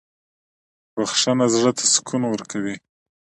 • بخښنه زړه ته سکون ورکوي.